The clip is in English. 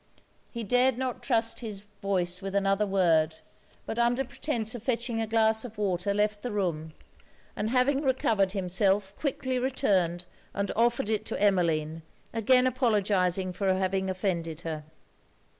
He dared not trust his voice with another word: but under pretence of fetching a glass of water left the room, and having recovered himself, quickly returned and offered it to Emmeline, again apologizing for having offended her.